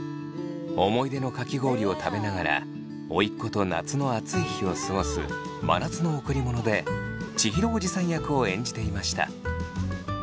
思い出のかき氷を食べながら甥っ子と夏の暑い日を過ごす「真夏の贈り物」で千尋おじさん役を演じていました。